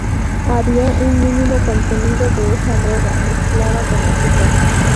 Había un mínimo contenido de esa droga, mezclada con azúcar.